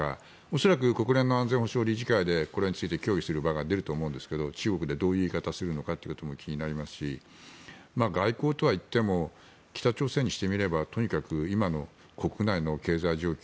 恐らく国連の安全保障理事会でこれについて協議する場が出ると思うんですが中国でどういう言い方をするのかも気になりますし外交とはいっても北朝鮮にしてみればとにかく今の国内の経済状況